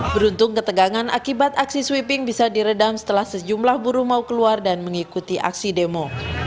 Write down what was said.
beruntung ketegangan akibat aksi sweeping bisa diredam setelah sejumlah buruh mau keluar dan mengikuti aksi demo